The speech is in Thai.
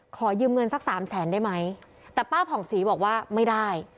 ขอยืมเงินสักสามแสนได้ไหมแต่ป้าผ่องศรีบอกว่าไม่ได้